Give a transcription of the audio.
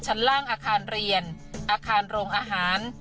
ชั้นล่างอาคารเรียนอาคารโรงอาหาร